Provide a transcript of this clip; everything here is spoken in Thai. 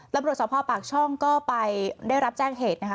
รับบริษัทพ่อปากช่องก็ไปได้รับแจ้งเหตุนะคะ